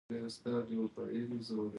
مراد به له سفر وروسته کور جوړ کړی وي.